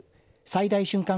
最大瞬間